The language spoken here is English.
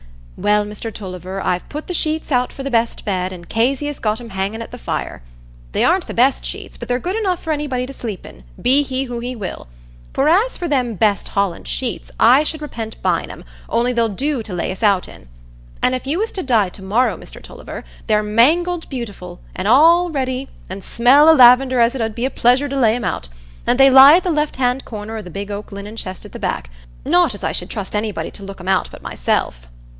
"Well, Mr Tulliver, I've put the sheets out for the best bed, and Kezia's got 'em hanging at the fire. They aren't the best sheets, but they're good enough for anybody to sleep in, be he who he will; for as for them best Holland sheets, I should repent buying 'em, only they'll do to lay us out in. An' if you was to die to morrow, Mr Tulliver, they're mangled beautiful, an' all ready, an' smell o' lavender as it 'ud be a pleasure to lay 'em out; an' they lie at the left hand corner o' the big oak linen chest at the back: not as I should trust anybody to look 'em out but myself."